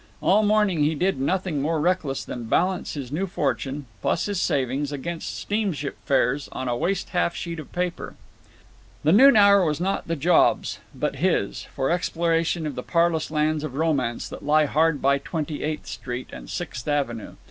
All morning he did nothing more reckless than balance his new fortune, plus his savings, against steamship fares on a waste half sheet of paper. The noon hour was not The Job's, but his, for exploration of the parlous lands of romance that lie hard by Twenty eighth Street and Sixth Avenue.